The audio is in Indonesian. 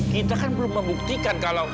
kita kan belum membuktikan kalau